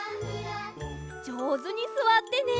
じょうずにすわってね！